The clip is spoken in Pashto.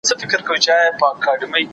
زړه می هر گړی ستا سترگي راته ستایي